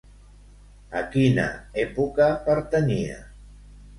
A quina època pertanyia?